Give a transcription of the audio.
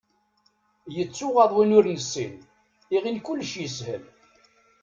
Yettuɣaḍ win ur nessin, iɣill kullec yeshel.